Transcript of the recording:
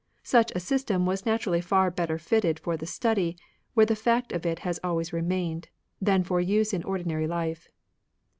Such a system was naturally far better fitted for the study, where in fact it has always remained, than for use in ordinary life.